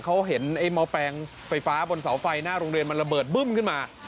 เขาเห็นไอ้มอแปลงไฟฟ้าบนเสาไฟหน้าโรงเรียนมันระเบิดบึ้มขึ้นมา